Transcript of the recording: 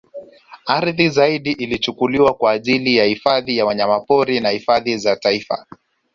Ardhi zaidi ilichukuliwa kwa ajili ya hifadhi ya wanyamapori na hifadhi za taifa